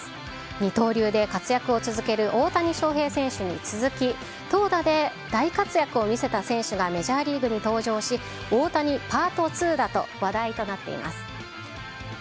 二刀流で活躍を続ける大谷翔平選手に続き、投打で大活躍を見せた選手がメジャーリーグに登場し、大谷パート２だと話題となっています。